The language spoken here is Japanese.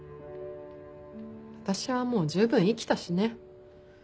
私はもう十分生きたしね。